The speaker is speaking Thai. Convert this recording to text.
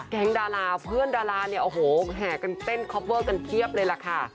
ดาราเพื่อนดาราเนี่ยโอ้โหแห่กันเต้นคอปเวอร์กันเพียบเลยล่ะค่ะ